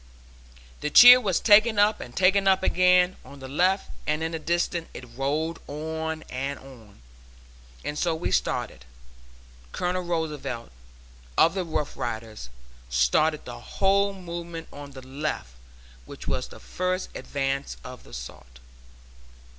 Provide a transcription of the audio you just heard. "The cheer was taken up and taken up again, on the left, and in the distance it rolled on and on. And so we started. Colonel Roosevelt, of the Rough Riders, started the whole movement on the left, which was the first advance of the assault."